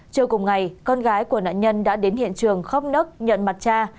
trưa cùng ngày con gái của nạn nhân đã đến hiện trường khóc nấc nhận mặt cha